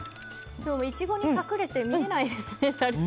イチゴに隠れて見えないですね。